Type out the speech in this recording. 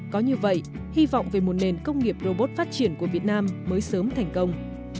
có như vậy hy vọng về một nền công nghiệp robot phát triển của việt nam mới sớm thành công